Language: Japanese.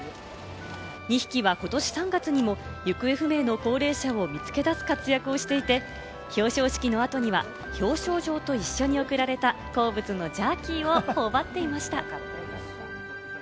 ２匹はことし３月にも行方不明の高齢者を見つけ出す活躍をしていて、表彰式の後には表彰状と一緒に贈られた好物のジャーキーをほおばっていました。